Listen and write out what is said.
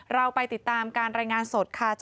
เราไปติดตามการรายงานสดค่ะ